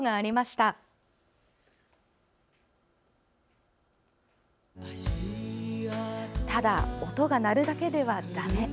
ただ音が鳴るだけでは、だめ。